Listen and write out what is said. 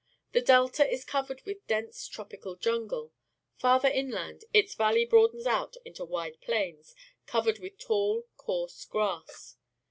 The delta is covered with. dense tropical jungle. Farther inland its valley broadens out into wide plains, covered with tall, coarse grass.